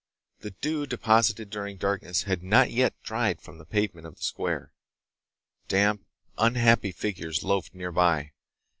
The dew deposited during darkness had not yet dried from the pavement of the square. Damp, unhappy figures loafed nearby.